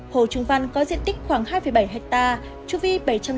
hồ trung văn có diện tích khoảng hai bảy hectare chu vi bảy trăm linh một m